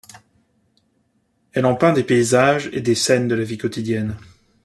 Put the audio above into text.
Elle en peint des paysages et des scènes de la vie quotidienne.